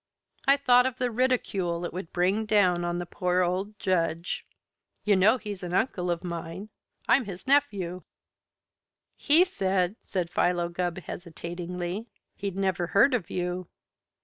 I thought of the ridicule it would bring down on the poor old Judge. You know he's an uncle of mine. I'm his nephew." "He said," said Philo Gubb hesitatingly, "he'd never heard of you."